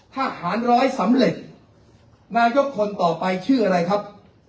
ถ้าหารร้อยสำเร็จนายกคนต่อไปชื่ออะไรครับ